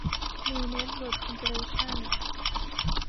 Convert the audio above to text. นิวส์ เน็ตเวิร์ค คอร์ปอเรชั่น